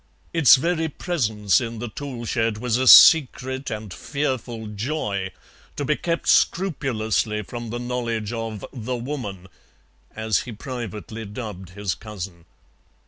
Its very presence in the tool shed was a secret and fearful joy, to be kept scrupulously from the knowledge of the Woman, as he privately dubbed his cousin.